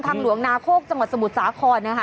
ทางหลวงนาโคกจังหวัดสมุทรสาขอน่ะค่ะ